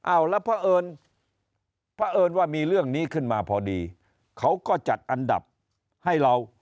อ้าวแล้วเพราะเอิญ